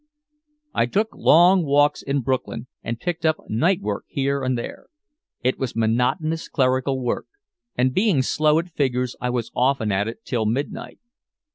I took long walks in Brooklyn and picked up night work here and there. It was monotonous clerical work, and being slow at figures I was often at it till midnight.